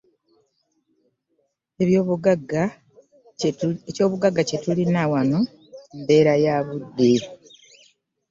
Ekyobugagga kye tulina wano mbeera ya budde.